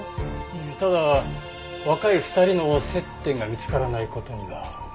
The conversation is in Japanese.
ただ若い２人の接点が見つからない事には。